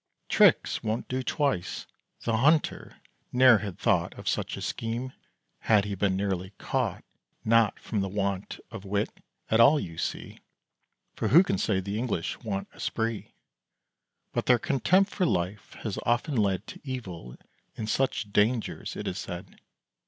Tricks won't do twice. The hunter ne'er had thought Of such a scheme, had he been nearly caught, Not from the want of wit, at all, you see, For who can say the English want esprit? But their contempt for life has often led To evil in such dangers, it is said.